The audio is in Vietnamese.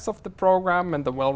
để thành tích